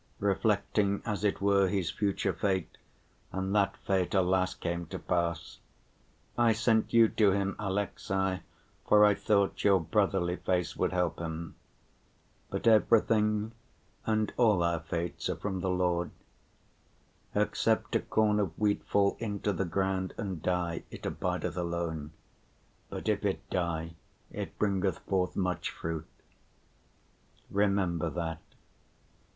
reflecting as it were his future fate, and that fate, alas, came to pass. I sent you to him, Alexey, for I thought your brotherly face would help him. But everything and all our fates are from the Lord. 'Except a corn of wheat fall into the ground and die, it abideth alone; but if it die, it bringeth forth much fruit.' Remember that.